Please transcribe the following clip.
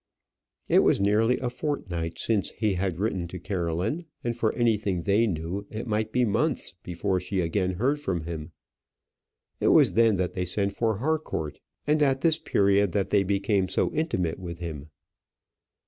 It was nearly a fortnight since he had written to Caroline, and, for anything they knew, it might be months before she again heard from him. It was then that they sent for Harcourt, and at this period that they became so intimate with him.